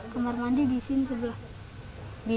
kamar mandi di sini sebelah